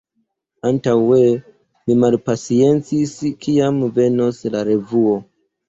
Antaŭe mi malpaciencis kiam venos la revuo.